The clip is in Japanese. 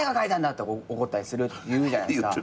って怒ったりするって言うじゃないっすか。